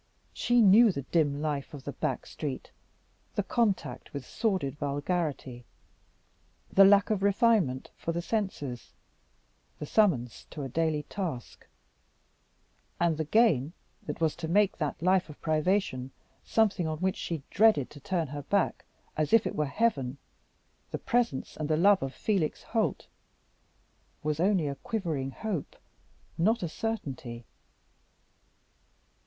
She knew the dim life of the back street, the contact with sordid vulgarity, the lack of refinement for the senses, the summons to a daily task; and the gain that was to make that life of privation something on which she dreaded to turn her back, as if it were heaven the presence and the love of Felix Holt was only a quivering hope, not a certainty.